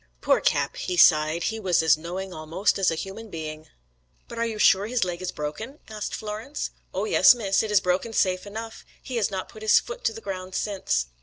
"Poor Cap," he sighed, "he was as knowing almost as a human being." "But are you sure his leg is broken?" asked Florence. "Oh, yes, miss, it is broken safe enough; he has not put his foot to the ground since."